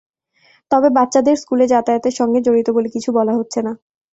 তবে বাচ্চাদের স্কুলে যাতায়াতের সঙ্গে জড়িত বলে কিছু বলা হচ্ছে না।